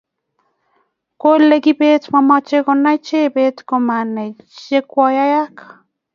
kolen kibet mamache konai jebet komanai che koyaak